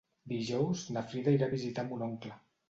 Dijous na Frida irà a visitar mon oncle.